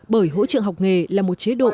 bởi hỗ trợ học nghề là một chế độ